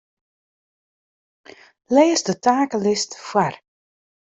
Lês de takelist foar.